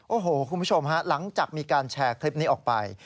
โอ้โหคุณผู้ชมฮะหลังจากมีการแชร์คลิปนี้ออกไป